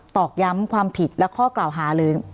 อกย้ำความผิดและข้อกล่าวหาหรือ